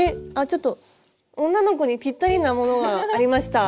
ちょっと女の子にぴったりなものがありました。